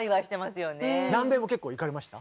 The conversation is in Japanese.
南米も結構行かれました？